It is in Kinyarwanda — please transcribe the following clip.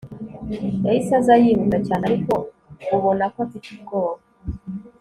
yahise aza yihuta cyane ariko ubona ko afite ubwoba